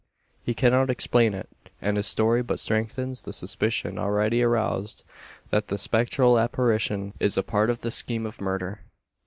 He cannot explain it; and his story but strengthens the suspicion already aroused that the spectral apparition is a part of the scheme of murder!